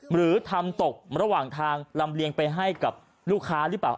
หรือทำตกระหว่างทางลำเลียงไปให้กับลูกค้าหรือเปล่า